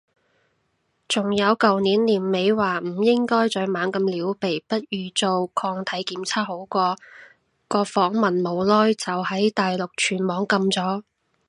仲有舊年年尾話唔應該再猛咁撩鼻，不如做抗體檢測好過，個訪問冇耐就喺大陸全網禁咗